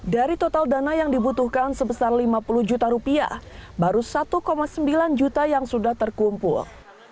dari total dana yang dibutuhkan sebesar lima puluh juta rupiah baru satu sembilan juta yang sudah terkumpul